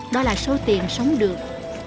đó là số tiền sống được